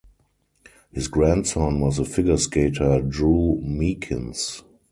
His grandson was the figure skater Drew Meekins.